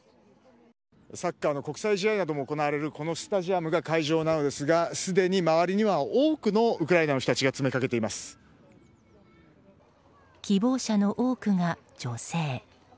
サッカーの国際試合なども行われるこのスタジアムが会場なのですがすでに周りには多くのウクライナの人たちが希望者の多くが女性。